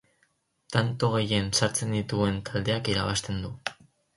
Tanto gehien sartzen dituen taldeak irabazten du.